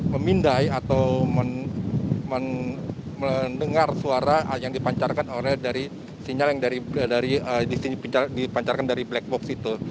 memindai atau mendengar suara yang dipancarkan oleh dari sinyal yang dipancarkan dari black box itu